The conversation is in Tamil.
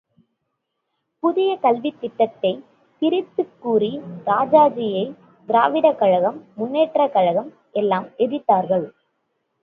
புதிய கல்வித் திட்டத்தைத் திரித்துக் கூறி ராஜாஜியை திராவிடக் கழகம் முன்னேற்றக் கழகம் எல்லாம் எதிர்த்தார்கள்.